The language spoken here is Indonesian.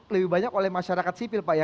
lebih banyak oleh masyarakat sipil pak ya